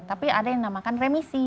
tapi ada yang dinamakan remisi